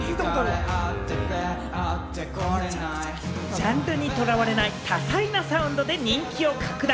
ジャンルにとらわれない、多彩なサウンドで人気を拡大。